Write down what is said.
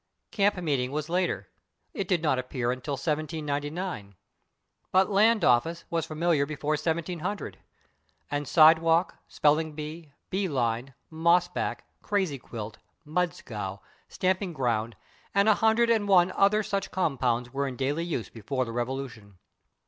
/Camp meeting/ was later; it did not appear until 1799. But /land office/ was familiar before 1700, and /side walk/, /spelling bee/, /bee line/, /moss back/, /crazy quilt/, /mud scow/, /stamping ground/ and a hundred and one other such compounds were in daily use before the Revolution.